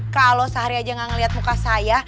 kalau sehari aja gak ngeliat muka saya